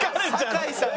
酒井さん